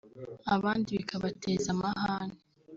abandi bikabateza amahane